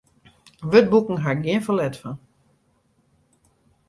Wurdboeken haw ik gjin ferlet fan.